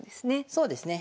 そうですね。